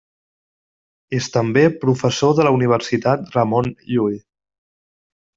És també professor de la Universitat Ramon Llull.